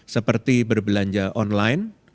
seperti berbelanja online